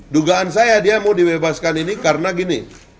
dugaan saya dia mau dibebaskan ini karena gini